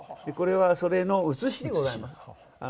これはそれの写しでございます。